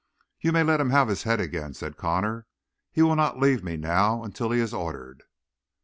"You may let him have his head again," said Connor. "He will not leave me now until he is ordered."